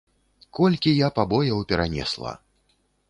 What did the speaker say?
Колькі я пабояў перанесла!